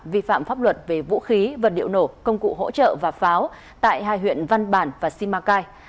vi phạm pháp luật về vũ khí vật liệu nổ công cụ hỗ trợ và pháo tại hai huyện văn bản và simacai